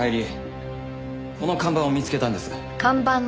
この看板を見つけたんです。